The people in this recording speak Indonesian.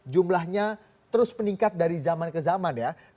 jumlahnya terus meningkat dari zaman ke zaman ya